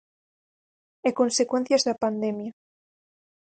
E consecuencias da pandemia.